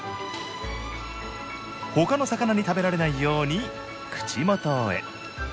ほかの魚に食べられないように口元へ。